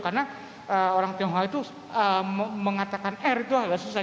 karena orang tionghoa itu mengatakan r itu agak susah